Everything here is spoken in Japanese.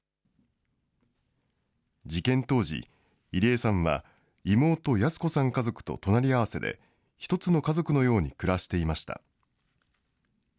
事件当時、入江さんは妹、泰子さん家族と隣り合わせで、１つの家族のように暮らしていました。